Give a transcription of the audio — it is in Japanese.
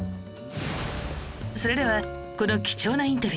それではこの貴重なインタビュー